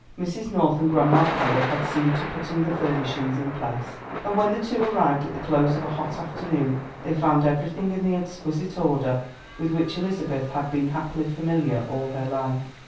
Mrs. North and Grandma Carroll had seen to putting the furnishings in place; and when the two arrived at the close of a hot afternoon they found everything in the exquisite order with which Elizabeth had been happily familiar all her life.